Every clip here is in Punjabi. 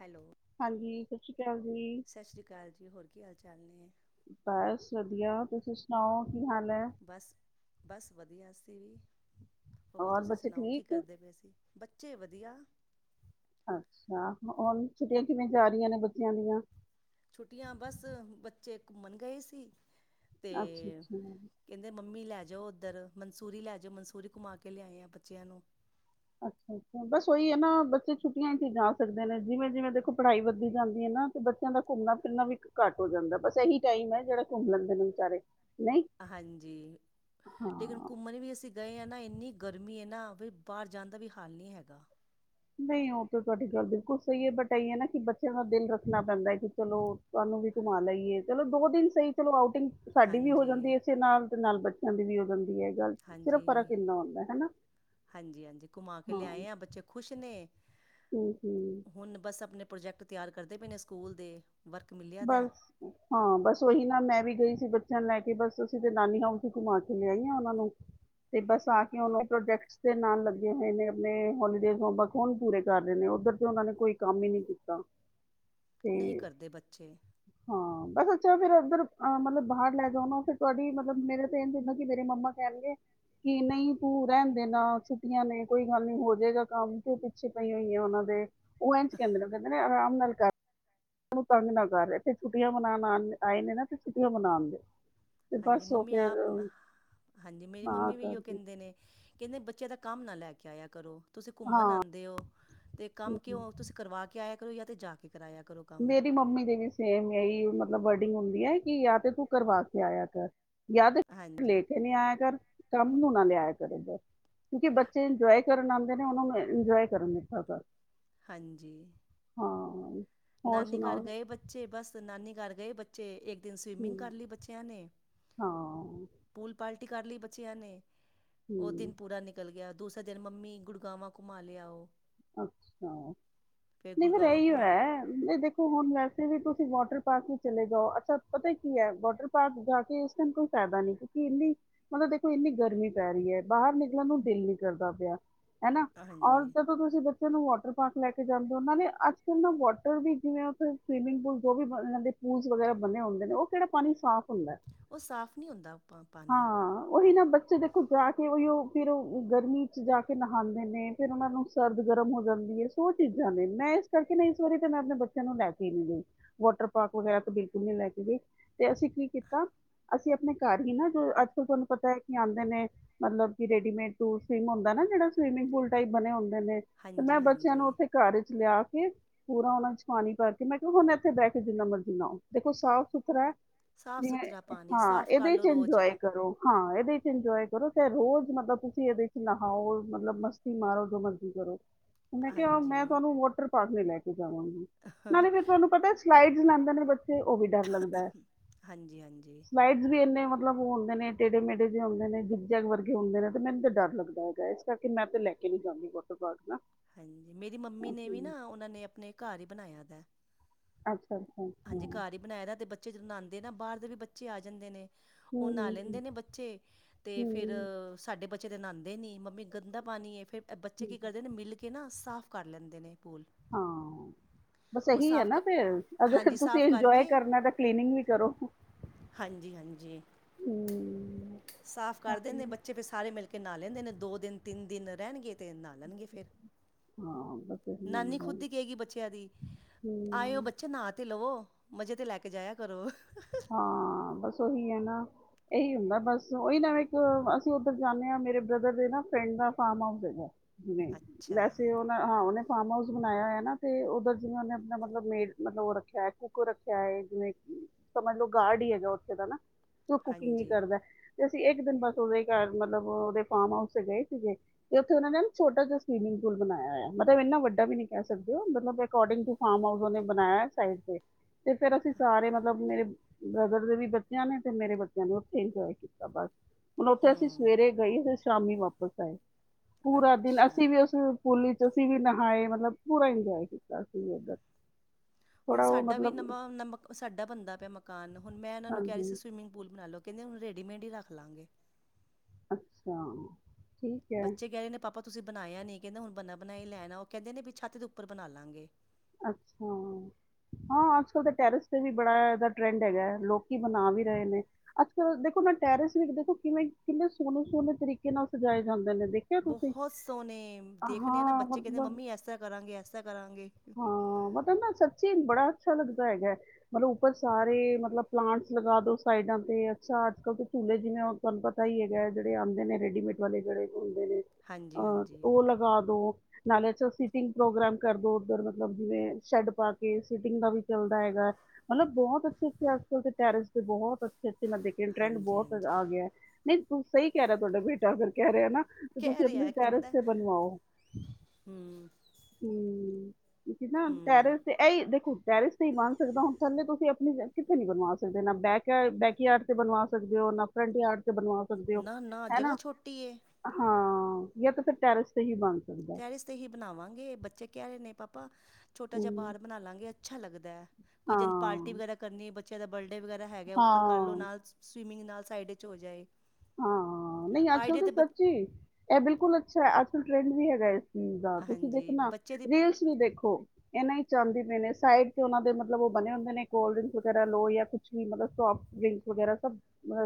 ਹੈਲੋ ਹਾਂਜੀ, ਸਤਿ ਸ੍ਰੀ ਅਕਾਲ ਜੀ। ਸਤਿ ਸ਼੍ਰੀ ਅਕਾਲ ਜੀ ਹੋਰ ਕੀ ਹਾਲ ਚਾਲ ਨੇ। ਬਸ ਵਧੀਆ, ਤੁਸੀਂ ਸੁਣਾਓ? ਕੀ ਹਾਲ ਹੈ? ਬਸ ਬਸ ਵਧੀਆ ਸੀ ਵੀ, ਹੋਰ ਔਰ ਤੁਸੀਂ ਬੱਚੇ ਸੁਣਾਓ ਕੀ ਠੀਕ? ਕਰਦੇ ਪਏ ਸੀ ਬੱਚੇ ਵਧੀਆ। ਅੱਛਾ, ਹੁਣ ਛੁੱਟੀਆਂ ਕਿਵੇਂ ਜਾ ਰਹੀਆਂ ਨੇ ਬੱਚਿਆਂ ਦੀਆਂ ਛੁੱਟੀਆਂ ਬਸ ਬੱਚੇ ਘੁੰਮਣ ਗਏ ਸੀ। ਤੇ ਅੱਛਾ, ਅੱਛਾ। ਕਹਿੰਦੇ ਮੰਮੀ ਲੈ ਜਾ। ਜੋ ਉੱਧਰ ਮਨਸੂਰੀ ਲੈ ਜਾਓ ਮਨਸੂਰੀ ਕਮਾ ਕੇ ਲਿਆਏ ਆ ਬੱਚਿਆਂ ਨੂੰ। ਅੱਛਾ ਅੱਛਾ, ਬਸ ਉਹੀ ਆ ਨਾ ਬੱਚੇ ਛੁੱਟੀਆਂ ਚ ਹੀ ਜਾ ਸਕਦੇ ਨੇ ਜਿਵੇਂ ਜਿਵੇਂ ਦੇਖੋ ਪੜ੍ਹਾਈ ਵੱਧਦੀ ਜਾਂਦੀ ਐ ਨਾ। ਤੇ ਬੱਚਿਆਂ ਦਾ ਘੁੰਮਣਾ ਫਿਰਨਾ ਵੀ ਘੱਟ ਹੋ ਜਾਂਦਾ ਬਸ ਇਹੀ ਟਾਈਮ ਐ ਜਿਹੜਾ ਘੁੰਮ ਲੈਂਦੇ ਨੇ ਵਿਚਾਰੇ ਨਹੀਂ ਹਾਂਜੀ, ਲੇਕਿਨ ਹਾਂ ਘੁੰਮਣ ਵੀ ਅਸੀਂ ਗਏ ਹਾਂ ਨਾ ਇੰਨੀ ਗਰਮੀ ਆ ਨਾ ਵੀ ਬਾਹਰ ਜਾਣ ਦਾ ਵੀ ਹਾਲ ਨਹੀਂ ਹੈਗਾ। ਨਹੀਂ, ਉਹ ਤਾਂ ਤੁਹਾਡੀ ਗੱਲ ਬਿਲਕੁਲ ਸਹੀ ਐ ਬਟਈ ਹੈ ਨਾ ਕਿ ਬੱਚਿਆਂ ਦਾ ਦਿਲ ਰੱਖਣਾ ਪੈਂਦਾ ਹੈ ਕਿ ਚਲੋ ਤੁ ਨੂੰ ਵੀ ਘੁੰਮਾ ਲਈਏ ਚਲੋ ਦੋ ਦਿਨ ਸਹੀ ਚਲੋ ਆ ਸਾਡੀ ਵੀ ਹੋ ਜਾਂਦੀ ਹਾਂਜੀ ਐ ਏਸੇ ਨਾਲ ਤੇ ਨਾਲ ਬੱਚਿਆਂ ਦੀ ਵੀ ਹੋ ਜਾਂਦੀ ਐ। ਚੱਲ ਸਿਰਫ ਫਰਕ ਹਾਂਜੀ ਕਿੰਨਾ ਹੁੰਦਾ। ਹਨਾ। ਹਾਂਜੀ ਹਾਂਜੀ ਘੁਮਾ ਕੇ ਲਿਆਏ ਆ ਬੱਚੇ ਖੁਸ਼ ਨੇ। ਹੂੰ ਹੂੰ ਹੁਣ ਬਸ ਆਪਣੇ ਪ੍ਰੋਜੈਕਟ ਤਿਆਰ ਕਰਦੇ ਪਏ ਨੇ ਸਕੂਲ ਦੇ ਵਰਕ ਮਿਲਿਆ ਦਾ ਬਸ, ਹਾਂ, ਬਸ ਉਹੀ ਨਾ ਮੈਂ ਵੀ ਗਈ ਸੀ। ਲੈ ਕੇ ਬਸ ਅਸੀਂ ਤੇ ਨਾਨੀ ਹਾਊਸ ਚ ਘੁਮਾ ਕੇ ਲਿਆਈ ਹਾਂ। ਉਹਨਾਂ ਨੂੰ ਤੇ ਬਸ ਆ ਕੇ ਉਹਨਾ ਪ੍ਰੋਜੈਕਟਸ ਦੇ ਨਾਲ ਲੱਗੇ ਹੋਏ ਨੇ। ਆਪਣੇ ਹੋਲੀਡੇਜ਼ ਹੋਮਵਰਕ ਹੁਣ ਪੂਰੇ ਕਰ ਰਹੇ ਨੇ। ਬੱਚੇ ਉਹਨਾਂ ਨੇ ਕੋਈ ਕੰਮ ਹੀ ਨਹੀਂ ਕੀਤਾ। ਨਹੀਂ ਤੇ ਕਰਦੇ ਬੱਚੇ- ਹਾਂ ਬਸ ਅੱਛਾ, ਫੇਰ ਉਧਰ ਮਤਲਬ ਬਾਹਰ ਲੈ ਜਾਣਾ। ਫੇਰ ਤੁਹਾਡੀ ਮਤਲਬ ਮੇਰੇ ਤੇ ਇਹ ਹੁੰਦਾ। ਕਿ ਮੇਰੇ ਮਮਾ ਕਹਿਣਗੇ। ਕਿ ਨਹੀਂ ਤੂੰ ਰਹਿਣ ਦੇ ਨਾ ਛੁੱਟੀਆਂ ਨੇ ਕੋਈ ਗੱਲ ਨੀ ਹੋ ਜਾਏਗਾ ਕੰਮ ਤੇ ਪਿੱਛੇ ਪਈ ਹੋਈ ਹੈ। ਉਹਨਾਂ ਦੇ ਉਹ ਇਨ ਚ ਕਹਿੰਦੇ ਨੇ। ਕਹਿੰਦੇ ਨੇ ਆਰਾਮ ਨਾਲ ਕਰ ਤੰਗ ਨਾਲ ਇੇ ਛੱਟੀਆਂ ਮਨਾਉਣ ਆਉਣ ਆਏ ਨੇ ਨਾ ਤੇ ਛੁੱਟੀਆਂ ਮਨਾਉਣ ਗੇ। ਹਾਂਜੀ। ਮੰਮੀ ਆਪ, ਹਾਂਜੀ। ਮੇਰੀ ਹਾਂ ਮੰਮੀ ਵੀ ਇਓ ਕਰਦੀ ਕਹਿੰਦੇ ਨੇ। ਕਹਿੰਦੇ ਬੱਚੇ ਦਾ ਕੰਮ ਨਾ ਲੈ ਕੇ ਆਇਆ ਕਰੋ। ਤੁਸੀਂ ਘੁੰਮਣ ਹਾਂ ਆਉਂਦੇ ਹੋ। ਤੇ ਕੰਮ ਹਮ। ਕਿਉਂ ਤੁਸੀਂ ਕਰਵਾ ਕੇ ਆਇਆ। ਈ ਆ ਤੇ ਜਾ ਕੇ ਕਰਾਇਆ ਕਰੋ ਕੰਮ ਮੇਰੀ ਮੰਮੀ ਦੇ ਵੀ ਸੇਮ ਇਹੀ ਮਤਲਬ ਵਰਡਿੰਗ ਹੁੰਦੀ ਹੈ। ਕਿ ਯ ਤੇ ਤੂੰ ਕਰਵਾ ਕੇ ਆਇਆ ਕਰ ਯਾ ਹਾਂਜੀ ਲੈ ਕੇ ਨਹੀਂ ਆਇਆ ਕਰ। ਕੰਮ ਨੂੰ ਨਾ ਲਿਆਇਆ ਕਰ ਏਧਰ। ਕਿਉਂਕਿ ਬੱਚੇ ਇੰਜੋਏ ਕਰਨ ਆਉਂਦੇ ਨੇ ਉਹਨ ਨੂੰ ਇੰਜੋਏ ਕਰਨ ਦਿੱਤਾ। ਹਾਂਜੀ। ਹਾਂ ਹੋਰ ਨਾਨੀ ਸੁਣਾਓ ਘਰ ਗਏ ਬੱਚੇ, ਬਸ ਨਾਨੀ ਘਰ ਗਏ ਬੱਚੇ। ਤੇ ਸਵਿਮਿੰਗ ਕਰ ਹੂੰ ਲਈ ਬੱਚਿਆਂ ਨੇ। ਹਾਂ ਪੂਲ ਪਾਲਟੀ ਕਰ ਲਈ ਬੱਚਿਆਂ ਨੇ। ਉਹ ਹੂੰ ਦਿਨ ਪੂਰਾ ਨਿਕਲ ਗਿਆ। ਦੂਸਰਾ ਦਿਨ ਮੰਮੀ ਗੁੜਗਾਵਾਂ ਘੁੰਮਾ ਲਿਆ। ਅੱਛਾ। ਨਹੀਂ ਫਿਰ ਗੁੜਗਾਵਾਂ ਇਹੀ ਘੁਮਾ ਹੈ। ਇਹ ਦੇਖੋ ਹੁਣ ਵੈਸੇ ਵੀ ਕੁ ਤੁਸੀਂ ਵਾਟਰ ਪਾਰਕ ਹੀ ਚਲੇ ਜਾਓ। ਅੱਛਾ। ਪਤਾ ਕੀ ਹੈ ਵਾਟਰ ਪਾਰਕ ਜਾ ਕੇ ਇਸ ਟਾਈ ਕੋਈ ਫਾਇਦਾ ਨੀ। ਕਿਉਂਕਿ ਇੰਨੀ ਮਤਲਬ ਦੇਖੋ ਇੰਨੀ ਗਰਮੀ ਪੈ ਰਹੀ ਹੈ। ਬਾਹਰ ਨਿਕਲਣ ਨੂੰ ਦਿਲ ਨਹੀ ਕਰਦਾ ਪਿਆ। ਹਨਾ। ਔਰ ਜ ਹਾਂਜੀ ਤੁਸੀਂ ਬੱਚਿਆਂ ਨੂੰ ਵਾਟਰ ਪਾਰਕ ਲੈ ਕੇ ਜਾਂਦੇ ਹੋ। ਉਹਨਾਂ ਨੇ ਅੱਜਕੱਲ੍ਹ ਨੂੰ ਵਾਟਰ ਵੀ ਜਿਵੇਂ ਉੱਥੇ ਸਵੀਮਿੰਗ ਪੂਲ ਜੋ ਵੀ ਦੇ ਪੂਲ ਵਗੈਰਾ ਬੰਣੇ ਹੁੰਦੇ ਨੇ ਉਹ ਕਿਹੜਾ ਪਾਣੀ ਸਾਫ਼ ਹੁੰਦਾ। ਉਹ ਸਾਫ਼ ਨਹੀਂ ਹੁੰਦਾ ਪਾ ਪਾਣੀ ਹਾਂ, ਉਹੀ ਨਾ ਬੱਚੇ ਦੇਖੋ, ਜਾ ਕੇ ਉਹੀ ਉਹ ਫਿਰ ਗਰਮੀ ਚ ਜਾ ਕੇ ਨਹਾਉਂਦੇ ਨੇ। ਫੇਰ ਉਹਨਾਂ ਨੂੰ ਸਰਦ ਗਰਮ ਹੋ ਜਾਂਦੀ ਹੈ। ਸੋ ਚੀਜ਼ਾਂ ਨੇ ਮੈਂ ਇਸ ਕਰਕੇ ਨਾ, ਇਸ ਵਾਰੀ ਤੇ ਮੈਂ ਆਪਣੇ ਬੱਚਿਆਂ ਨੂੰ ਲੈ ਕੇ ਨਹੀਂ ਗਈ। ਟਰਾਰਕ ਵਗੈਰਾ ਬਿਲਕੁਲ ਨੀ ਲੈ ਕੇ ਗਈ। ਤੇ ਅਸੀਂ ਕੀ ਕੀਤਾ। ਅਸੀਂ ਆਪਣੇ ਘਰ ਹੀ ਨਾ ਜੋ ਅੱਜਕਲ ਪਤਾ ਹੈ ਕਿ ਆਉਂਦੇ ਨੇ, ਮਤਲਬ ਕਿ ਰੇਡੀਮੇਡ ਸਟੂ ਸਮ ਹੁੰਦਾ ਨਾ ਜਿਹੜਾ ਸਵਿਮਿੰਗ ਪੂਲ ਟਇਪ ਬਣੇ ਹੁੰਦਾ। ਨੇ ਤੇ ਮੈਂ ਹਾਂਜੀ ਬੱਚਿਆਂ ਨੂੰ ਹਾਂਜੀ ਉੱਥੇ ਘਰ ਚ ਲਿਆ। ਪੂਰਾ ਉਹਨਾ ਚ ਪਾਣੀ ਪਾਕੇ ਮੈਂ ਕਿਹਾ, ਹੁਣ ਇੱਥੇ ਬਹਿ ਕੇ ਜਿੰਨਾ ਮਰਜੀ ਨਾਓ। ਦੇਖੋ, ਸਾਫ਼- ਸੁਥਰਾ ਸਾਫ਼ ਸੁਥਰਾ ਪਾਣੀ ਹਾਂ। ਸਾਫ਼ ਕਰ ਇਹਦੇ ਚ ਲਓ ਰੋਜ਼ ਇੰਜੋਏ ਕਰੋ। ਹਾਂ। ਇਹਦੇ ਚ ਇੰਜੋਏ। ਕਰੋ ਚ ਰੋਜ਼ ਮਤਲਬ ਤੁਸੀਂ ਇਹਦੇ ਚ ਨਹਾਓ ਮਤਲਬ ਮਸਤੀ ਮਾਰੋ, ਜੋ ਮਰਜ਼ੀ ਕਰੋ। ਮੈ ਕਿਹਾ, ਮੈਂ ਹਾਂਜੀ ਤੁਹਾਨੂੰ ਵਾਟਰ ਪਾਰਕ ਲਈ ਲੈ ਕੇ ਜਾਵਾਂਗੀ। ਨਾਲੇ ਫਿਰ ਤੁਹਾਨੂੰ ਪਤਾ ਸਲਾਈਡ ਲੈਂਦੇ ਨੇ ਬੱਚੇ ਉਹ ਵੀ ਡਰ ਲੱਗਦਾ ਹੈ। ਹਾਂਜੀ ਹਾਂਜੀ ਸਲਾਈਡ ਵੀ ਇੰਨੇ ਮਤਲਬ ਉਹ ਹੁੰਦੇ ਨੇ ਟੇੜੇ ਮੇੜੇਿ ਹੁੰਦੇ ਨੇ ਜਿੱਗ- ਜਗ ਵਰਗੇ ਹੁੰਦੇ ਨੇ, ਤੇ ਮੈਨੂੰ ਤਾਂ ਡਰ ਲੱਗਦਾ ਹੈਗਾ। ਇਸ ਕਰਕੇ ਮੈਂ ਤਾਂ ਲੈ ਕੇ ਵੇ ਜਾਂਦੀ ਵਾਟਰ ਪਾਰਕ ਨਾ। ਮੇਰੀ ਮੰਮੀ ਹਮ, ਨੇ ਵੀ ਨਾ ਉਹਨਾਂ ਨੇ ਆਪਣੇ ਘਰ ਹੀ ਬਣਾਇਆ ਦਾ। ਅੱਛਾ ਅੱਛਾ ਅੱਛਾ ਹਾਂਜੀ। ਹੂੰ ਘਰ ਹੀ ਬਣਾਏ ਦਾ ਤੇ ਬੱਚੇ ਜਦੋਂ ਨ ਨਾਉਂਦੇ ਨਾ ਬਾਹਰ ਦੇ ਵੀ ਬੱਚੇ ਆ ਜਾਂਦੇ ਨੇ। ਉਹ ਨਹਾ ਹੂੰ ਲੈਂਦੇ ਨੇ ਬੱਚੇ। ਤੇ ਫੇਰ ਹੂੰ ਸਾਡੇ ਬ ਬੱਚੇ ਦੇ ਨਹਾਉਂਦੇ ਨਹੀਂ। ਮੰਮੀ ਗੰਦਾ ਪਾਣੀ ਹੈ। ਫਿਰ ਬੱਚੇ ਹੂੰ, ਕੀ ਕਰਦੇ ਨੇ ਮਿਲ ਕੇ ਨਾ ਸਾਫ਼ ਕਰ ਲੈਂਦੇ ਨੇ। ਪੂਲ ਹਾਂ, ਬਸ ਉਹ ਇਹੀ ਆ ਸਾਫ਼ ਕ ਨਾ ਫੇਰ ਹਾਂਜੀ ਅਗਰ ਤੁਸੀਂ ਸਾਫ਼ ਇੰਜੋਏ ਕਰਕੇ ਕਰਨਾ ਤਾਂ ਕਲੀਨਿੰਗ ਵੀ ਕਰੋ। ਹਾਂਜੀ ਹਾਂਜੀ ਹਮ। ਸਾਫ਼ ਕਰ ਦਿੰ ਨੇ ਹਾਂਜੀ ਬੱਚੇ ਫਿਰ ਸਾਰੇ ਮਿਲ ਕੇ ਨਾ ਲੈਂਦੇ ਨੇ, ਦੋ ਦਿਨ, ਤਿੰਨ ਦਿਨ ਰਹਿਣਗੇ। ਅਤੇ ਨਾਲ ਲੈਣਗੇ। ਫਿਰ ਹਾਂ ਬਸ ਇਹੀ ਨਾਨੀ ਹੁੰਦਾ ਖੁੱਦ ਹੈ। ਹੀ ਕਹੇਗੀ ਬੱਚਿਆਂ ਦੀ ਆਏ ਓ ਹਮ ਬੱਚੇ ਨਾਂ ਤੇ ਲਵੋ।। ਮਜ਼ੇ ਤੇ ਲੈ ਕੇ ਜਾਇਆ ਕਰੋ। ਬਸ ਉਹੀ ਹੈ ਹਾਂ, ਇਹੀ ਹੁੰਦਾ ਬਸ ਉਹੀ ਨਾ ਇੱਕ ਅਸੀਂ ਉੱਧਰ ਜਾਣੇ ਆ ਮੇਰੇ ਬ੍ਰਦਰ ਦੇ ਨਾ ਫਰੈਂਡ ਦਾ ਫਾਰਮ ਹਾਊਸ ਹੈਗਾ। ਨਹੀਂ, ਅੱਛਾ ਵੈਸੇ ਉਹਨਾਂ ਹਾਂ ਉਹਨੇ। ਫਾਰਮ ਹਾਊਸ ਬਣਾਇਆ ਹੋਇਆ ਨਾ ਤੇ ਉਧਰ ਜਿਵੇਂ ਉਹਨੇ ਆਪਣਾ ਮਤਲਬ ਮੇ ਮਤਲਬ ਉ ਰੱਖਿਆ ਐ ਕੁਕ ਰੱਖਿਆ ਐ ਜਿਵੇਂ ਕੀ ਸਮਝ ਲਓ ਗਾਰਡ ਹੀ ਹੈਗਾ ਉੱਥੇ ਦਾ ਨਾਂ ਤੇ ਉਹ ਕੁਕਿੰਗ ਵੀ ਹਾਂਜੀ ਕਰਦਾ। ਤੇ ਅਸੀਂ ਇੱਕ ਦਿਨ ਬਸ ਉਹਦੇ ਘਰ ਮਤਲਬ ਉਹਦੇ ਫਾਰਮ ਹਾਊਸ ਤੇ ਗਏ ਸੀਗੇ ਤੇ ਉੱਥੇ ਉਹਨਾਂ ਨੇ ਛੋਟਾ ਜਿਹਾ ਸਵੀਮਿੰਗ ਪੂਲ ਬਣਾਇਆ ਹੋਇਆ ਏ, ਮਤਲਬ ਇਨਾ ਵੱਡਾ ਵੀ ਨੀ ਕਹਿ ਸਕਦੇ ਮਤਲਬ ਅਕੋਡਿੰਗ ਟੂ ਫਾਰਮ ਹਾਊਸ ਉਨੇ ਬਣਾਇਆ ਹੋਇਆ ਸਾਇਡ ਤੇ। ਤੇ ਫੇਰ ਅਸੀਂ ਸਾਰੇ ਮਤਲਬ ਮੇਰੇ ਬ੍ਰਦਰ ਦੇ ਵੀ ਬੱਚਿਆਂ ਨੇ ਤੇ ਮੇਰੇ ਬੱਚਿਆਂ ਨੇ ਉੱਥੇ ਇੰਜੋਏ ਕੀਤਾ ਬਸ। ਹੁਣ ਉੱਥੇ ਅਸੀਂ ਹੂੰ ਸਵੇਰੇ ਗਈ ਤੇ ਸ਼ਾਮੀ ਵਾਪਿਸ ਆਏ ਪੂਰਾ ਦਿਨ ਅੱਛਾ ਅਸੀਂ ਵੀ ਉਸ ਪੂਲ ਚ ਅਸੀਂ ਵੀ ਨਹਾਏ ਮਤਲਬ ਪੂਰਾ ਇੰਜੋਏ ਕੀਤਾ ਸੀ ਅਸੀਂ ਵੀ ਉੱਧਰ। ਹੁਣ ਥੋੜਾ ਉਹ ਸਾਡਾ ਵੀ ਮਤਲਬ ਨਵਾ ਨ ਸਾਡਾ ਬਣਦਾ ਪਿਆ ਮਕਾਨ ਹੁਣ ਮੈਂ ਇਹਨਾਂ ਨੂੰ ਕਹਿ ਰਹੀ ਹਾਂਜੀ ਸੀ ਸਵਿਮਿੰਗ ਪੂਲ ਬਣਾ ਲਓ। ਕਹਿੰਦੇ ਹੁਣ ਰੇਡੀਮੇਡ ਹੀ ਰੱਖ ਲਾਂਗੇ। ਅੱਛਾ, ਠੀਕ ਹੈ ਬੱਚੇ ਕਹਿ ਰਹੇ ਨੇ ਪਾਪਾ ਤੁਸੀਂ ਬਣਾਇਆ ਨੀ ਕਹਿੰਦਾ ਹੁਣ ਬਣਾ ਬਣਾਈ ਲੈਣਾ ਉਹ ਕਹਿੰਦੇ ਨੇ ਵੀ ਛੱਤ ਦੇ ਉੱਪਰ ਬਣਾ ਲਾਂਗੇ। ਅੱਛਾ, ਹਾਂ, ਅੱਜ ਕੱਲ੍ਹ ਤਾਂ ਟੈਰਿਸ ਤੇ ਵੀ ਬੜਾ ਇਹਦਾ ਟਰੈਂਡ ਹੈਗਾ ਲੋਕੀ ਬਣਾ ਵੀ ਰਹੇ ਨੇ ਅੱਜ ਕੱਲ ਦੇਖੋ ਪਰ, ਟੈਰਿਸ ਵਿੱਚ ਦੇਖੋ ਕਿਵੇਂ, ਕਿੰਨੇ ਸੋਹਣੇ--ਸੋਹਣੇ ਤਰੀਕੇ ਨਾਲ, ਸਜਾਏ ਜਾਂਦੇ ਨੇ। ਦੇਖਿਆ ਤੁਸੀਂ ਬਹੁਤ ਸੋਹਣੇ, ਦੇਖਦੇ ਆ ਨਾ ਹਾਂ ਬੱਚੇ, ਕਹਿੰਦੇ ਮੰਮੀ, ਐਸਾ ਕਰਾਂਗੇ ਐਸਾ ਕਰਾਂਗੇ। ਹਾਂ, ਪਤਾ ਨਾ ਸੱਚੀ, ਬੜਾ ਅੱਛਾ, ਲੱਗਦਾ ਹੈ ਹੈਗਾ--ਤਲਬ ਉੱਪਰ ਸਾਰੇ ਮਤਲਬ ਪਲਾਂਟਸ ਲਗਾ ਦੋ ਸਾਈਡਾਂ ਤੇ ਅੱਛਾ ਅੱਜ ਕੱਲ ਤੇ ਝੂਲੇ, ਜਿਵੇਂ ਹੁਣ ਤੁਹਾਨੁੰ ਪਤਾ ਹੀ ਹੈਗਾ, ਜਿਹੜੇ ਆਉਂਦੇ ਨੇ ਰੈਡੀਮੇਡੇ ਵਾਲੇ, ਜਿਹੜੇ ਨੇ ਅਹ, ਹਾਂਜੀ--ਹਾਂਜੀ। ਉਹ ਲਗਾ ਦੋ ਨਾਲੇ ਤੁਸੀਂ, ਸਿਟਿੰਗ ਪ੍ਰੋਗਰਾਮ ਕਰ ਦੋ। ਪਰ, ਮਤਲਬ ਜਿਵੇਂ ਸ਼ੈੱਡ ਪਾ ਕੇ ਸੀਟਿੰਗ ਦਾ ਵੀ ਚਲਦਾ ਹੈਗਾ, ਏ ਮਤਲਬ ਬਹੁਤ ਅੱਛੇ ਅੱਛੇ ਅਜਕਲ ਤੇ ਟੈਰੀਸ, ਤੇ ਬਹੁਤ ਸਚੀ ਮੈਂ ਦੇਖਿਆ, ਟਰੈਂਡ ਹਾਂਜੀ ਬਹੁਤ ਹਾਂਜੀ ਆ ਗਿਆ ਏ, ਨਹੀਂ ਸੋ ਸਹੀ ਕਹਿ ਰਿਹਾ, ਤੁਹਾਡਾ ਬੇਟਾ ਅਗਰ ਕਹਿ ਰਿਹਾ ਨਾ ਤੇ, ਤੁਸੀਂ ਕਹਿ ਆਪਣੇ ਰਿਹਾ ਟੈਰਿਸ ਕਹਿੰਦਾ ਤੇ,, ਬਣਵਾਓ ਹਮ ਹੂੰ ਕਿੳਕੀ ਨਾ, ਹਮ ਟੈਰਿਸ ਤੇ ਇਹੀ ਦੇਖੋ ਟੈਰਿਸ ਤੇ ਹੀ ਬਣ ਸਕਦਾ ਹੁਣ ਥੱਲੇ ਤੁਸੀਂ ਆਪਣੀ ਕਿੱਥੇ ਨਈ ਬਣਵਾ ਸਕਦੇ ਬੈਕ ਯਾਰਡ ਤੇ ਬਣਵਾ ਸਕਦੇ ਹੋ। ਣ ਆਪਰ ਆ [unintelligible] [inaudible] ਬਣਵਾ ਸਕਦੇ ਹੋ, ਨਾ ਨਾ ਜਗ੍ਹਾ ਹੈਨਾ ਛੋਟੀ ਏ ਹਾਂ ਯਾਂ ਤੇ ਫਿਰ ਟੈਰਿਸ ਤੇ ਹੀ ਬੰ ਟੈਰਿਸ, ਤੇ ਹੀ ਬਣਾਵਾਂਗੇ, ਬੱਚੇ ਕਹਿ ਰਹੇ ਨੇ ਪਾਪਾ ਛੋਟਾ ਜਿਹਾ, ਹੂੰ ਬਾਰ ਬਣਾ ਲਾਂਗੇ ਅੱਛਾ ਲੱਗਦਾ ਏ, ਕੋਈ ਪਾਰਟੀ ਹਾਂ ਵਗੈਰਾ ਕਰਨੀ, ਬੱਚਿਆਂ ਦਾ ਬਰਡੇ ਬਰਡੇ, ਵਗੈਰਾ ਹੈਗਾ ਉੱਪਰ ਕਰ ਲਓ, ਹਾਂ ਨਾਲ ਸਵੀਮਿੰਗ, ਨਾਲ ਸਾਈਡ ਚ ਹੋ ਜਾਏ। ਹਾਂ, ਨਹੀਂ ਅੱਜ ਕੱਲ ਆਈਡੀਆ ਤਾਂ ਤੇ ਬ ਸੱਚੀ ਟੀਵੀ, ਲਾ ਨਈ ਹਾਂਜੀ ਦੇਖਣਾ, ਬੱਚੇ ਦੀ ਰੀਲਸ ਵੀ ਦੇਖੋ। ਇਹਨਾ ਹੀ ਚ ਆਦੀ ਪਏ ਨੇ ਸਾਈਡ ਤੇ ਉਹਨਾਂ ਦੇ ਮਤਲਬ ਉਹ ਬਣੇ ਹੁੰਦੇ ਨੇ ਕੋਲਡ ਡਰਿੰਕਸ ਵਗੈਰਾ ਲੋ ਜਾਂ ਕੁਛ ਵੀ ਮਤਲਬ [inaudible] ਵੇਸਟ, ਵਗੈਰਾ ਸਭ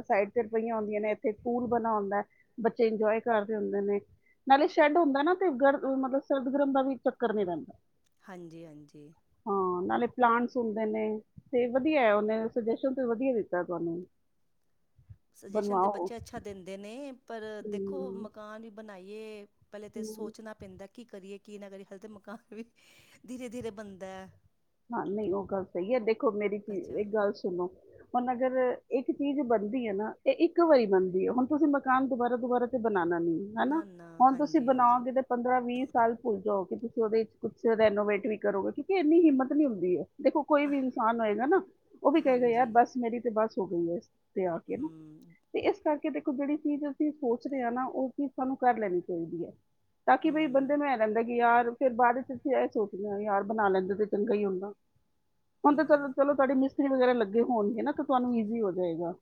ਸਾਈਡ ਤੇ ਪਈਆਂ, ਹੁੰਦੀਆਂ ਨੇ। ਤੇ ਪੂਲ, ਬਣਾ ਹੁੰਦਾ ਏ, ਬੱਚੇ ਇੰਜੋਏ ਕਰਦੇ ਹੁੰਦੇ ਨੇ। ਨਾਲੇ ਸ਼ੈੱਡ ਹੁੰਦਾ ਨਾ, ਮਤਲਬ ਸਰਦ ਗਰਮ ਦਾ ਵੀ ਚੱਕਰ ਨੀ ਰਹਿਣਾ ਹਾਂਜੀ ਹਾਂਜੀ। ਨਾਲੇ ਪਲਾਂਟਸ ਹੁੰਦੇ ਨੇ ਸੁਜੈਸ਼ਨ ਤੇ, ਬਣਵਾਓ ਬੱਚੇ ਅੱਛਾ ਦਿੰਦੇ ਨੇ, ਪਰ ਦੇਖੋ ਹਮ, ਮਕਾਨ ਪਹਿਲੇ ਤੇ ਹਮ। ਸੋਚਣਾ ਪੈਂਦਾ, ਕੀ ਕਰੀਏ ਕੀ, ਅੱਜ ਕੱਲ ਮਕਾਨ ਵੀ ਧੀਰੇ ਧੀਰੇ ਬਣਦਾ ਐ ਹਾਂ, ਨਹੀਂ ਉਹ ਗੱਲ ਸਹੀ ਏ, ਦੇਖੋ ਮੇਰੀ ਅੱਛਾ ਇਕ ਗੱਲ ਸੁਣੋ ਹੁਣ, ਅਗਰ ਇੱਕ ਚੀਜ਼ ਬਣਦੀ ਹੈ ਨਾ ਤੇ ਇੱਕ ਵਾਰੀ ਬਣਦੀ ਹੈ। ਹੈਨਾ ਨਾ ਨਾ ਹੁਣ ਤੁਸੀਂ ਹਾਂਜੀ ਹਾਂਜੀ ਬਣਾਓਗੇ ਤਾ, ਪੰਦਰਾਂ ਵੀਹ ਸਾਲ ਭੁੱਲ ਜਾਓ। ਕਿ ਤੁਸੀ ਉਹਦੇ ਚ ਕੁਛ ਰੈਨੋਵੇਟ ਵੀ ਕਰੋਗੇ। ਕਿਉਂਕਿ, ਇੰਨੀ ਹਿੰਮਤ ਨਈ ਹੁੰਦੀ ਏ। ਦੇਖੋ, ਕੋਈ ਵੀ ਅਹ ਇਨਸਾਨ, ਹੋਏਗਾ ਨਾ ਉਹ ਵੀ ਕਹਿਗਾਏ ਯਾਰ ਹਾਂਜੀ ਬਸ, ਮੇਰੀ ਤੇ ਬਸ ਹੋ ਗਈਏ। ਤੇ ਆ ਕੇ ਨਾ ਹੂੰ ਤੇ ਇਸ ਕਰਕੇ? [unintelligible] ਕਿ ਦੇਖੋ, ਜੇਹੜੀ ਚੀਜ਼ ਅਸੀਂ ਸੋਚ ਰਹੇ ਹਾਂ ਨਾ, ਉਹੀ ਸਾਨੂੰ ਕਰ ਲੈਣੀ ਚਾਹੀਦੀ ਹੈ। ਤਾਂ ਕਿ, ਬਈ ਬੰਦੇ ਹੂੰ ਨੂੰ ਇਹ ਰਹਿੰਦਾ ਕਿ ਯਾਰ, ਫਿਰ ਬਾਅਦ ਵਿੱਚ ਅਸੀ ਇਹ ਸੋਚਦੇ ਆ ਯਾਰ ਬਣਾ ਲੈਂਦੇ ਤੇ ਚੰਗਾ ਹੀ ਹੁੰਦਾ, ਹੁਣ ਤੇ ਚ ਚਲੋ ਹੂੰ -ਚਲੋ ਤੁਹਾਡੀ ਮਿਸ ਪੱਤੇ, ਵਗੈਰਾ ਲੱਗੇ ਹੋਣਗੇ ਨਾ, ਤੁਹਾਨੂੰ ਈਜ਼ੀ ਹੋ ਜਾਏਗਾ।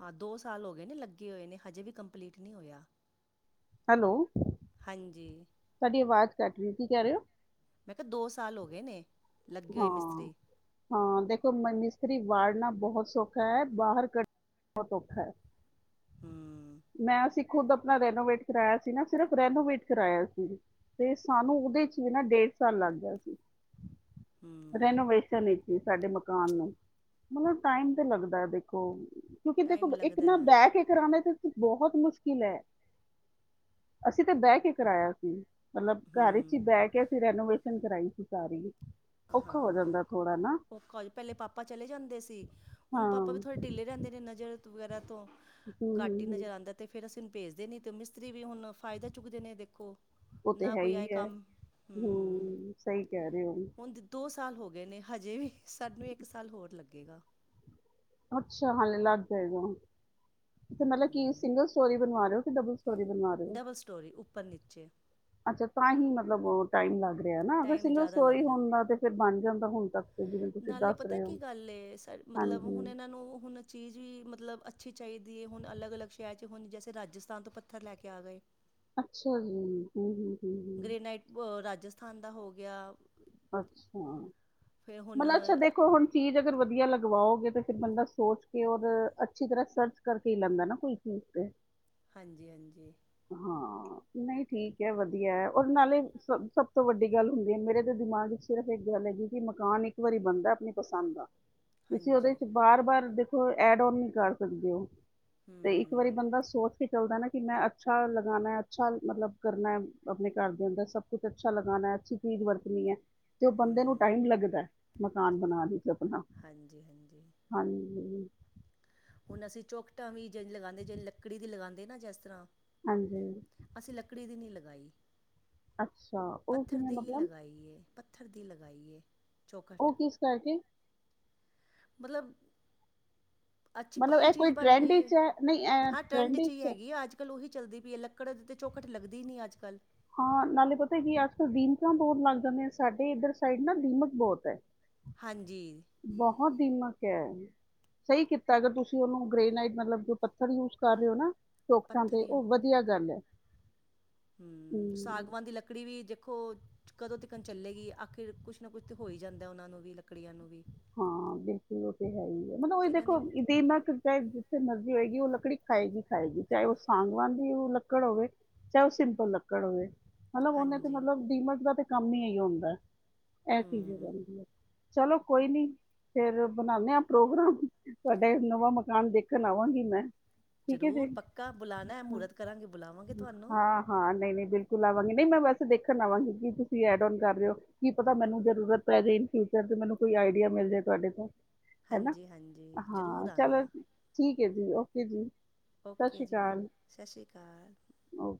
ਹਾਂ, ਦੋ ਸਾਲ ਹੋ ਗਏ ਨੇ ਲੱਗੇ ਹੋਏ ਨੇ। ਹਜੇ ਵੀ ਕੰਪਲੀਟ ਨਹੀਂ ਹੋਇਆ। ਹੈਲੋ।? ਹਾਂਜੀ। ਤੁਹਾਡੀ, ਆਵਾਜ਼ ਕੱਟ ਰਹੀ। ਕਿ ਕਹਿ ਰਹੇ ਹੋ? ਮੈਂ ਕਿਹਾ, ਦੋ ਸਾਲ ਹੋ ਗਏ ਨੇ, ਲੱਗੇ ਹੋਏ ਹਾਂ ਮਿਸਤਰੀ। ਹਾਂ ਦੇਖੋ, ਮਿਸਤਰੀ ਵਾੜਨਾ ਬਹੁਤ ਸੌਖਾ ਹੈ। ਬਾਹਰ ਕੱਢ ਬਹੁਤ ਔਖਾ ਹੈ। ਹੂੰ ਮੈਂ ਅਸੀ ਖੁਦ ਆਪਣਾ ਰੈਨੋਵੇਟ ਕਰਾਯਾ ਸੀ ਨਾ ਸਿਰਫ ਰੈਨੋਵੇਟ ਕਰਾਯਾ ਸੀ, ਤੇ ਸਾਨੂੰ ਉਹਦੇ ਚ ਵੀ ਨਾ ਡੇਢ ਸਾਲ, ਲੱਗ ਗਿਆ ਸੀ। [unintelligible] ਹੂੰ ਰੈਨੋਵੇਟ, ਕਰਨੀ ਸੀ ਸਾਡੇ ਮਕਾਨ ਨੂੰ, ਮਤਲਬ ਟਾਈਮ ਤੇ ਲੱਗਦਾ ਦੇਖੋ। ਕਿਉਂਕਿ ਟਾਈਮ ਦੇਖੋ ਇੱਕ ਲੱਗਦਾ ਨਾ ਹੈ। ਬਹਿ ਕੇ ਕਰਾਉਦਾ ਤੇ। ਬਹੁਤ ਮੁਸ਼ਕਿਲ ਹੈ ਅਸੀ ਤੇ ਬਹਿ ਕੇ ਕਰਾਇਆ ਸੀ। ਮਤਲਬ ਘਰ ਏਚ ਹੀ ਹੂੰ ਬਹਿ ਕੇ ਅਸੀਂ ਰੈਨੋਵੇਸ਼ਨ ਕਰਾਈ ਸੀ ਸਾਰੀ। ਔਖਾ ਹੋ ਜਾਂਦਾ ਥੋੜਾ। ਨਾ ਹੋਰ ਪਹਿਲੇ ਪਾਪਾ ਚਲੇ ਜਾਂਦੇ ਸੀ। ਹੁਣ ਹਾਂ ਪਾਪਾ ਵੀ ਹੂੰ ਥੋੜੇ ਢਿੱਲੇ ਰਹਿੰਦੇ ਨੇ ਨਜ਼ਰ। ਵਗੈਰਾ ਤੋਂ ਹੂੰ ਕੱਟ ਹੀ ਹੂੰ ਨਜ਼ਰ ਆਉਂਦਾ ਤੇ ਫੇਰ ਅਸੀਂ ਹੁਣ ਭੇਜਦੇ ਨੀ ਤੇ ਮਿਸਤਰੀ। ਵੀ ਹੁਣ ਫਾਇਦਾ ਚੁੱਕਦੇ ਨੇ ਦੇਖੋ। ਉਹ ਤੇ ਨਾ ਹੈ ਕੋਈ ਇ ਆਏ ਹੈ ਕੰਮ ਹਮ ਸਹੀ ਕਹਿ ਰਹੇ ਹੋ। ਦੋ ਸਾਲ ਹੋ ਗਏ ਨੇ। ਹਜੇ ਵੀ ਸਾਨੂੰ ਇੱਕ ਸਾਲ ਹੋਰ ਲੱਗੇਗਾ। ਅੱਛਾ, ਹਾਲੇ ਲੱਗ ਜਾਏਗਾ। ਮਤਲਬ ਕਿ ਹਮ ਸਿੰਗਲ ਸਟੋਰੀ ਬਣਵਾ ਰਹੇ ਹੋ ਕਿ ਡਬਲ ਸ। ਡਬਲ ਸਟੋਰੀ ਉਪਰ- ਨੀਚੇ। ਅੱਛਾ, ਤਾਂ ਹੀ ਮਤਲਬ ਟਾਈਮ ਲੱਗ ਰਿਹਾ ਨਾ। ਅਗਰ ਟਾਈਮ ਸਿੰਗਲ ਜ਼ਿਆਦਾ ਲੱਗ ਸਟੋਰੀ ਜਾਂਦਾ ਹੁੰਦਾ ਤੇ ਫਿਰ ਬਣ ਜਾਂਦਾ ਹੁਣ ਤੱਕ। ਤੇ ਜਿਵੇਂ ਤੁਸੀਂ ਨਾਲੇ ਦੱਸ ਪਤਾ ਰਹੇ ਕੀ ਹੋ ਗੱਲ ਏ ਸ ਸਮਤਲਬ ਹਾਂਜੀ ਹੁਣ ਇਹਨਾਂ ਨੂੰ ਹੁਣ ਚੀਜ਼ ਵੀ ਮਤਲਬ। ਅੱਛੀ ਚਾਹੀਦੀ ਹੁਣ ਅਲਗ- ਅਲੱਗ ਸ਼ਹਿਰ ਚ ਹੁਣ ਜੈਸੇ ਰਾਜਸਥਾਨ ਤੋਂ ਪੱਥਰ ਲੈ ਕੇ ਆ ਗਏ। ਅੱਛਾ ਜੀ ਹਮ ਹਮ। ਗ੍ਰੇਨਾਈਟ ਪ ਰਾਜਸਥਾਨ ਦਾ ਹੋ ਗਿਆ। ਅੱਛਾ, ਫਿਰ ਹੁਣ ਮਤਲਬ ਅੱਛਾ ਦੇਖੋ ਹੁਣ ਚੀਜ਼। ਅਗਰ ਵਧੀਆ ਲਗਵਾਓਗੇ ਤੇ ਫਿਰ ਬੰਦਾ ਸੋਚ ਕੇ ਔਰ ਅੱਛੀ ਤਰ੍ਹਾਂ ਸਰਚ ਕਰਕੇ ਹੀ ਲੈਂਦਾ ਨਾ ਕੋਈ ਚੀਜ਼ ਤੇ। ਹਾਂਜੀ- ਹਾਂਜੀ। ਹਾਂ ਨਹੀਂ ਠੀਕ ਹੈ, ਵਧੀਆ ਹੈ ਔਰ ਨਾਲੇ ਸਭ -ਸਭ ਤੋਂ ਵੱਡੀ ਗੱਲ ਹੁੰਦੀ ਹੈ ਮੇਰੇ। ਦਿਮਾਗ ਚ ਸਿਰਫ ਇੱਕ ਗੱਲ ਹੈਗੀ ਕਿ ਮਕਾਨ ਇੱਕ ਵਾਰੀ ਬਣਦੈ ਆਪਣੀ ਪਸੰਦ ਦਾ। ਤੁਸੀਂ ਉਹਦੇ ਹਾਂਜੀ ਚ ਬਾਰ- ਬਾਰ ਦੇਖੋ ਐਡ ਓਨ ਨਹੀਂ ਕਰ ਸਕਦੇ ਹੋ। ਤੇ ਇੱਕ ਹਮ ਵਾਰੀ ਬੰਦਾ ਸੋਚ ਕੇ। ਚੱਲਦਾ ਨਾ ਕਿ ਮੈਂ ਅੱਛਾ ਲਗਾਨੈ, ਅੱਛਾ ਮਤਲਬ ਕਰਨੈ ਆਪਣੇ ਘਰ ਦੇ ਅੰਦਰ ਸਭ ਕੁਛ ਅੱਛਾ ਲਗਾਨੈ। ਅੱਛੀ ਚੀਜ਼ ਵਰਤਣੀ ਹੈ ਤੇ ਉਹ ਬੰਦੇ ਨੂੰ ਹਮ ਟਾਈਮ ਲੱਗਦਾ ਮਕਾਨ ਬਣਾਣ ਚ। ਸਪਨਾ ਹਾਂਜੀ ਹਾਂਜੀ ਹਾਂਜੀ। ਹੁਣ ਅਸੀਂ ਚੋਖਟਾਂ ਵੀ ਜੇੜੀ ਲਗਾਉਂਦੇ ਜੇੜੀ ਲੱਕੜੀ ਦੀ ਲਗਾਦੇ ਨਾ ਜਿਸ ਤਰ੍ਹਾਂ। ਹਾਂਜੀ, ਅਸੀਂ ਲੱਕੜੀ ਦੀ ਨਹੀਂ ਲਗਾਈ। ਅੱਛਾ ਉਹ ਪੱਥਰ ਕਿਵੇਂ ਦੀ ਹੀ ਮਤਲਮ। ਲਗਾਈ ਏ ਪੱਥਰ ਦੀ ਲਗਾਈਏ। ਉਹ ਕਿਸ ਕਰਕੇ? ਮਤਲਬ। ਅੱਛੀ ਮਤਲਬ ਪੱਕੀ ਇਹ ਕੋਈ ਚੀਜ਼ ਬਣ ਟਰੈਂਡ ਗਈ ਹੈ। ਵਿੱਚ ਨਹੀਂ ਇਹ ਹਾਂ, ਟਰੈਂਡ ਚ ਹੀ ਵਿੱਚ ਹੈ ਹੈਗੀ ਆ। ਅੱਜ ਕੱਲ ਉਹੀ। ਚੱਲਦੀ ਪਈ ਹੈ। ਲੱਕੜ ਤੇ ਝੌਖਟ ਲਗਦੀ ਹੀ ਨ ਅਜ ਕੱਲ੍ਹ। ਹਾਂ। ਨਾਲੇ ਪਤਾ ਕਿ ਹੈ! ਅੱਜ ਕੱਲ੍ਹ ਦੀਮਕਾਂ ਬਹੁਤ ਲੱਗ ਜਾਂਦੀ ਹੈ। ਸਾਡੇ ਇੱਧਰ ਸਾਈਡ ਨਾ ਦੀਮਕ ਬਹੁਤ ਹੈ। ਹਾਂਜੀ ਬਹੁਤ ਦਿਮਾਗ। ਸਹੀ ਕੀਤਾ। ਅਗਰ ਤੁਸੀਂ ਉਹਨੂੰ! ਗ੍ਰੇਨਾਈਡ, ਮਤਲਬ ਜੋ ਪੱਥਰ ਯੂਜ ਕਰ ਰਹੇ ਹੋ ਨਾ। ਟੋਕਟਾਂ ਪੱਥਰ ਤੇ, ਉਹ ਵਧੀਆ ਗੱਲ ਹੈ। ਹਮ। ਹੂੰ ਸਾਗਵਾਨ ਦੀ ਲੱਕੜੀ ਵੀ ਜ। ਦੇਖੋ ਕਦੋਂ ਤਿਕੜ ਚੱਲੇਗੀ? ਆਖਿਰ ਕੁਛ ਨਾ ਕੁਛ ਤਾਂ ਹੋ ਹੀ ਜਾਂਦਾ ਉਹਨਾਂ ਨੂੰ ਵੀ। ਲੱਕੜੀਆਂ ਨੂੰ ਵੀ। ਹਾਂ। ਬਿਲਕੁਲ, ਉਹ ਤੇ ਹੈ ਹੀ ਹੈ। ਮਤਲਬ ਤੇ ਉਹ ਇਹਨਾਂ ਦੇਖੋ ਨੇ ਦਿਮਕ ਚਾਹੇ ਜਿੱਥੇ ਮਰਜੀ। ਹੋਏਗੀ। ਉਹ ਲੱਕੜੀ ਖਾਏਗੀ ਖਾਏਗੀ। ਚਾਹੇ ਉਹ ਸਾਂਗਵਾਂ ਦੀ ਲੱਕੜ ਹੋਵੇ। ਚਾਹੇ ਉਹ ਸਿੰਪਲ ਲੱਕੜ ਹੋਵੇ। ਮਤਲਬ ਓਹਨੇ, ਹਾਂਜੀ ਮਤਲਬ ਡੀਮਕ ਦਾ ਤੇ ਕੰਮ ਹੀ ਹੁੰਦਾ ਹੈ। ਇਹ ਚੀਜ਼ ਹੋ ਹੂੰ ਜਾਂਦੀ ਹੈ। ਚਲੋ ਕੋਈ ਨੀ। ਫੇਰ ਬਣਾਦੇ ਆ ਪ੍ਰੋਗਰਾਮ ਤੁਹਾਡਾ ਨਵਾਂ ਮਕਾਨ ਦੇਖਣ ਆਵਾਂਗੀ ਮੈਂ। ਠੀਕ ਹੈ ਜੇ। ਜ਼ਰੂਰ ਪੱਕਾ ਬੁਲਾਣਾ ਹੈ ਮਹੂਰਤ ਕਰਾਂਗੇ ਬੁਲਾਵਾਂਗੇ ਤੁਹਾਨੂੰ ਹਾਂ ਹਾਂ! ਨਹੀਂ ਨਹੀਂ! ਬਿਲਕੁਲ ਆਵਾਂਗੇ। ਮੈਂ ਵੈਸੇ ਦੇਖਣ ਆਵਾਂਗੀ। ਕਿ ਤੁਸੀਂ ਐਡ ਕਰ ਰਹੇ ਹੋ। ਕੀ ਪਤਾ ਮੈਨੂੰ ਜਰੂਰਤ ਪਈ ਜਾਵੇ ਇਨ। ਮੈਨੂੰ ਕੋਈ ਆਈਡੀਆ ਮਿਲ ਜਾ ਤੁਹਾਡੇ ਤੋਂ। ਹੈਨਾ ਹਾਂਜੀ ਹਾਂਜੀ ਜ਼ਰੂਰ ਹਾਂ! ਚਲੋ ਆਣਾ ਠੀਕ। ਓਕੇ ਜੀ, ਓਕੇ ਜੀ! ਸਤਿ ਓਕੇ ਸ਼੍ਰੀ ਜੀ। ਅਕਾਲ ਸਤਿ ਸ਼੍ਰੀ ਅਕਾਲ। ਓਕੇ